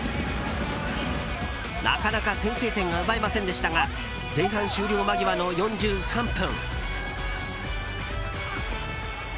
なかなか先制点が奪えませんでしたが前半終了間際の４３分。